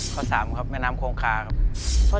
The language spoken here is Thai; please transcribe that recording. ข้อ๓ครับแม่น้ำโค้งคาครับ